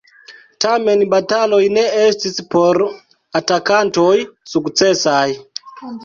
Tamen bataloj ne estis por atakantoj sukcesaj.